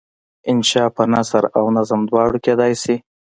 انشأ په نثر او نظم دواړو کیدای شي.